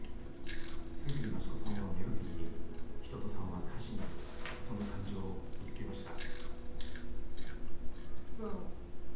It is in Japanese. すぐにマシコさんはメロディーに一青さんは歌詞にその感情をぶつけました。